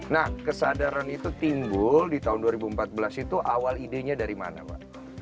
nah kesadaran itu timbul di tahun dua ribu empat belas itu awal idenya dari mana mbak